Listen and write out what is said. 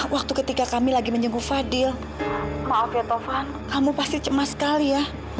waktu ketika kami lagi menyeguk fadil maaf ya tovan kamu pasti cemas sekali ya